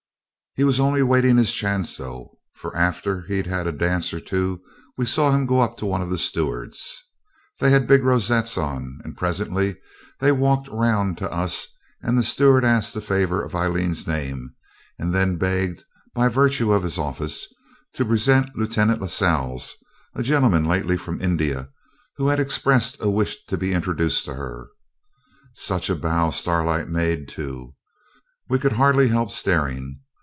He was only waiting his chance, though, for after he'd had a dance or two we saw him go up to one of the stewards. They had big rosettes on, and presently they walked round to us, and the steward asked the favour of Aileen's name, and then begged, by virtue of his office, to present Lieutenant Lascelles, a gentleman lately from India, who had expressed a wish to be introduced to her. Such a bow Starlight made, too. We could hardly help staring.